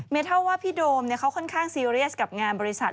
เท่าว่าพี่โดมเขาค่อนข้างซีเรียสกับงานบริษัท